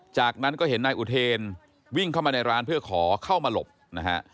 จากนั้นก็เห็นนายอุเทนวิ่งเข้ามาในร้านเพื่อขอเข้ามาหลบนะฮะ